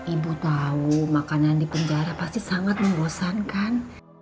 ibu tahu makanan di penjara pasti sangat membosankan